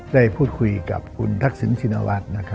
ได้พูดคุยกับคุณทักษิณชินวัฒน์